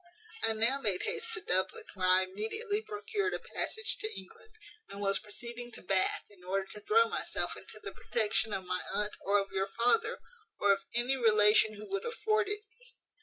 "I now made haste to Dublin, where I immediately procured a passage to England; and was proceeding to Bath, in order to throw myself into the protection of my aunt, or of your father, or of any relation who would afford it me.